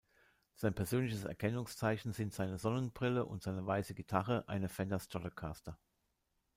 Sein persönliches Erkennungszeichen sind seine Sonnenbrille und seine weiße Gitarre, eine Fender Stratocaster.